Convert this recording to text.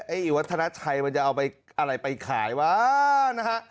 ไอ้วัฒนาชัยมันจะเอาไปอะไรไปขายวะนะฮะ